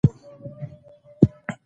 ګڼ نور امکانات هم پراته دي.